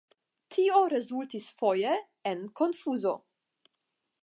Tio rezultis foje en konfuzo.